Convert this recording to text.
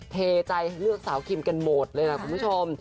เทใจเลือกสาวคิมกันหมดเลยนะคุณผู้ชม